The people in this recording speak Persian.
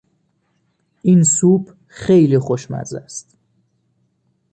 این سوپ خیلی خوشمزه است.